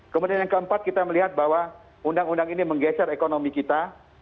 kemudian yang keempat kita melihat bahwa undang undang ini menggeser ekonomi kita